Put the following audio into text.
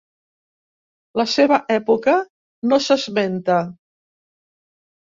La seva època no s'esmenta.